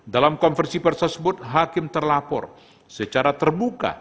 dalam konversi persa sebut hakim terlapor secara terbuka